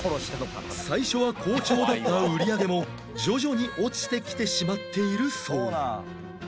最初は好調だった売り上げも徐々に落ちてきてしまっているそう